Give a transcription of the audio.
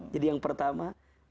jadi yang pertama